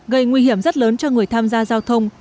gây nguy hiểm rất lớn cho người tham gia giao thông